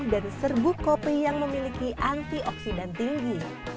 dan serbuk kopi yang memiliki antioksidan tinggi